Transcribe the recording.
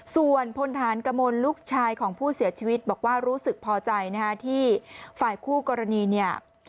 ส่วนพลฐานกมลลูกชายของผู้เสียชีวิตบอกว่ารู้สึกพอใจนะฮะที่ฝ่ายคู่กรณีเนี่ย